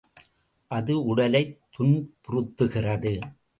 அது உடலைத் துன்புறுத்துகிறது.